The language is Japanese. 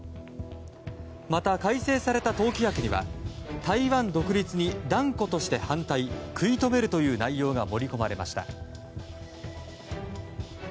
また、改正された党規約には台湾独立に断固として反対食い止めるという内容が盛り込まれました。